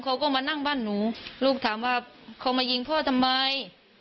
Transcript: เขาก็มานั่งบ้านหนูลูกถามว่าเขามายิงพ่อทำไม